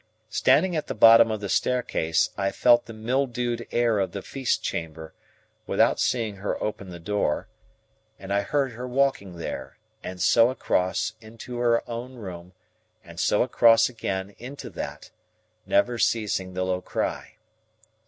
Standing at the bottom of the staircase, I felt the mildewed air of the feast chamber, without seeing her open the door, and I heard her walking there, and so across into her own room, and so across again into that, never ceasing the low cry.